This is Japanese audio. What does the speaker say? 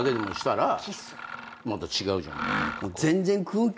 また違うじゃない。